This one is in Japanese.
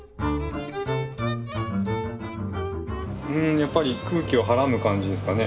やっぱり空気をはらむ感じですかね。